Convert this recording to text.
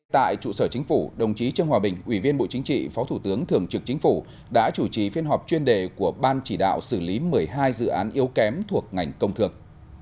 tại trụ sở chính phủ đồng chí trương hòa bình ủy viên bộ chính trị phó thủ tướng thường trực chính phủ đã chủ trì phiên họp chuyên đề của ban chỉ đạo xử lý một mươi hai dự án yếu kém thuộc ngành công thương